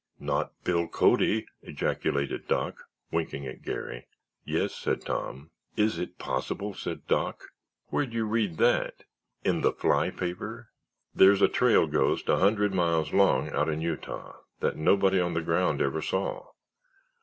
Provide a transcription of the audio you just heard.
"Not Bill Cody!" ejaculated Doc, winking at Garry. "Yes," said Tom. "Is it possible?" said Doc, "Where'd you read that—in the Fly paper?" "There's a trail ghost a hundred miles long out in Utah that nobody on the ground ever saw.